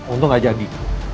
untung gak jadi